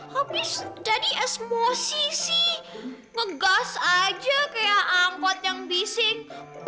habis jadi smosi sih ngegas aja kayak angkot yang bising